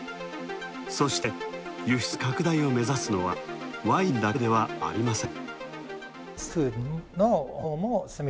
そして輸出拡大を目指すのはワインだけではありません。